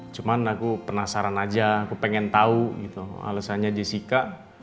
cuman aku penasaran aja aku pengen tau alasannya jessica